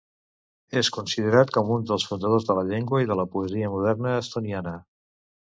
És considerat com un dels fundadors de la llengua i de la poesia moderna estoniana.